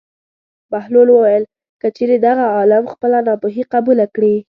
بهلول وویل: که چېرې دغه عالم خپله ناپوهي قبوله کړي.